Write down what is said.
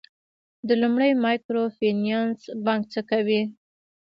د لومړي مایکرو فینانس بانک څه کوي؟